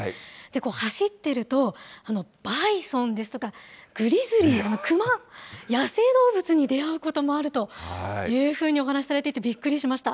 走っていると、バイソンですとか、グリズリー、熊、野生動物に出会うこともあるというふうにお話されていて、びっくりしました。